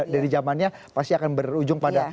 dari zamannya pasti akan berujung pada